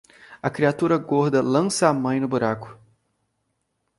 A criatura gorda lança a mãe no buraco.